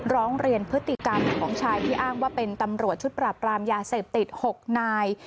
ร้องเรียนพฤติกรรมของชายที่อ้างว่าเป็นตำรวจชุดปราบรามยาเสพติด๖นาย